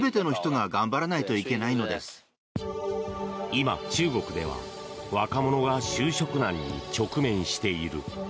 今、中国では若者が就職難に直面している。